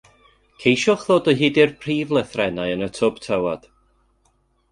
Ceisiwch ddod o hyd i'r prif lythrennau yn y twb tywod.